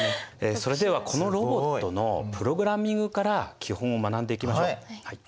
それではこのロボットのプログラミングから基本を学んでいきましょう。